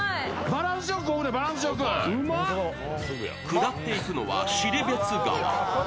下っていくのは尻別川。